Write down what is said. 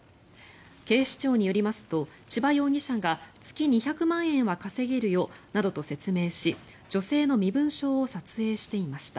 警視庁によりますと千葉容疑者が月２００万円は稼げるよなどと説明し女性の身分証を撮影していました。